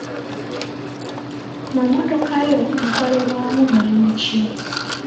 Mu mmotoka yo mukolebwamu mulimu ki?